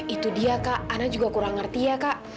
itu dia kak ana juga kurang ngerti ya kak